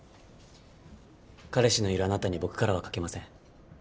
彼氏のいるあなたに僕からはかけません。